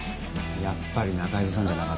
やっぱり仲井戸さんじゃなかったのか。